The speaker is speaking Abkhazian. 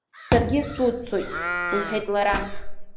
Саргьы суццоит, — лҳәеит лара.